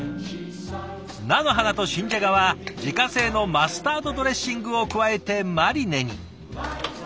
菜の花と新じゃがは自家製のマスタードドレッシングを加えてマリネに。